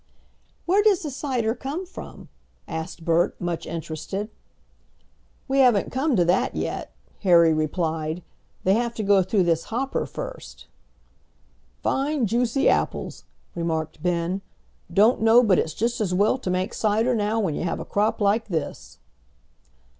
"Where does the cider come from?" asked Bert, much interested. "We haven't come to that yet," Harry replied; "they have to go through this hopper first." "Fine juicy apples," remarked Ben. "Don't know but it's just as well to make cider now when you have a crop like this."